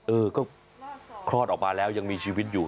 เออก็คลอดออกมาแล้วยังมีชีวิตอยู่